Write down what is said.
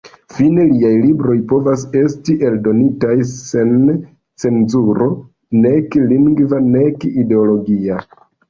Fine liaj libroj povas esti eldonitaj sen cenzuro, nek lingva nek ideologia.